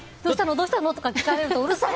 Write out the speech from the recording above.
どうしたの？とか聞かれると、うるさい！